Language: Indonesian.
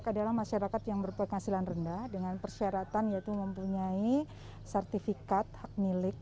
adalah masyarakat yang berpenghasilan rendah dengan persyaratan yaitu mempunyai sertifikat hak milik